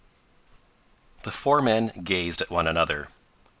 The four men gazed at one another.